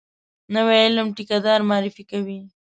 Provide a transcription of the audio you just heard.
نوی علم ټیکه دار معرفي کوي.